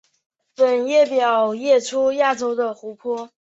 本列表列出亚洲的湖泊。